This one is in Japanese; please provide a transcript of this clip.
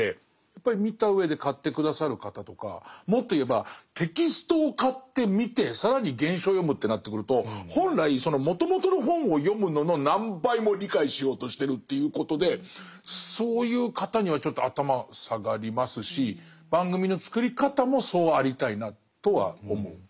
やっぱり見たうえで買って下さる方とかもっと言えばテキストを買って見て更に原書を読むってなってくると本来そのもともとの本を読むのの何倍も理解しようとしてるっていうことでそういう方にはちょっと頭下がりますし番組の作り方もそうありたいなとは思う。